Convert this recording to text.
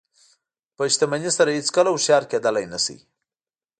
په شتمنۍ سره هېڅکله هوښیار کېدلی نه شئ.